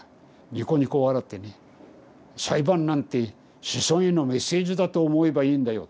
にこにこ笑ってね「裁判なんて『子孫へのメッセージ』だと思えばいいんだよ」